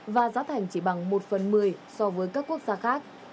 và giá thành chỉ bằng một phần một mươi so với các quốc gia khác